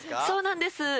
そうなんです。